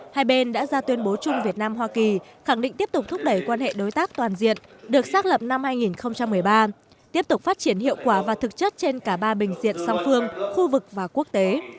hai bên đã ra tuyên bố chung việt nam hoa kỳ khẳng định tiếp tục thúc đẩy quan hệ đối tác toàn diện được xác lập năm hai nghìn một mươi ba tiếp tục phát triển hiệu quả và thực chất trên cả ba bình diện song phương khu vực và quốc tế